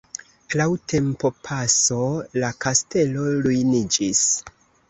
Laŭ tempopaso la kastelo ruiniĝis.